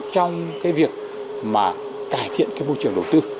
trong cái việc mà cải thiện cái môi trường đầu tư